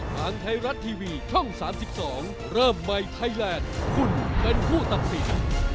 ทางไทยรัฐทีวีช่อง๓๒เริ่มใหม่ไทยแลนด์คุณเป็นผู้ตัดสิน